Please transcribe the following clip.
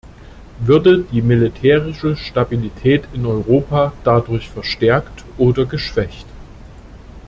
Würde die militärische Stabilität in Europa dadurch verstärkt oder geschwächt?